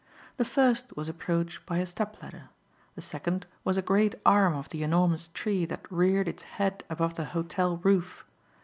The first was approach by a step ladder. The second was a great arm of the enormous tree that reared its head above the hotel roof.